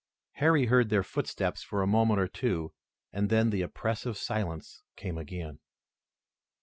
Harry heard their footsteps for a moment or two, and then the oppressive silence came again.